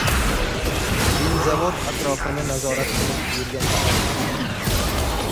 — Vinzavod atrofini nazorat qilib yurgan edim!